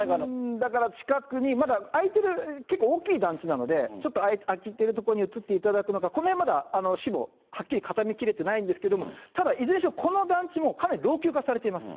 だから近くに、まだ空いてる、結構大きい団地なので、ちょっと空いてる所に移っていただくのか、このへん、まだ市もはっきり固めきれてないんですけど、ただいずれにしろこの団地、かなり老朽化されています。